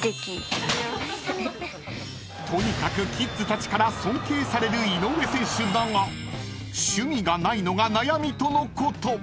［とにかくキッズたちから尊敬される井上選手だが趣味がないのが悩みとのこと］